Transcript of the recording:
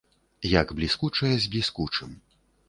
Як бліскучае з бліскучым.